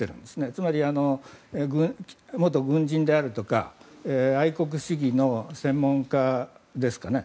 つまり、元軍人であるとか愛国主義の専門家ですかね。